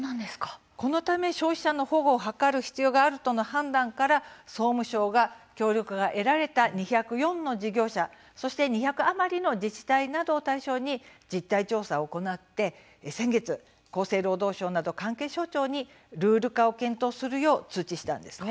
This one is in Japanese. このため消費者の保護を図る必要があるとの判断から総務省が協力を得られた２０４の事業者、そして２００余りの自治体などを対象に実態調査を行って先月、厚生労働省など関係省庁にルール化を検討するよう通知したんです。